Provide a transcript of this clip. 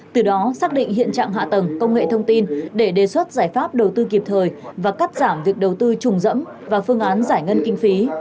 từ đó xác định hiện trạng hạ tầng công nghệ thông tin để đề xuất giải pháp đầu tư kịp thời và cắt giảm việc đầu tư trùng dẫm và phương án giải ngân kinh phí